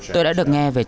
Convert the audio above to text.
tôi đã được nghe về trường